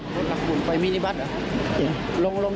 เวสนะขอร้อง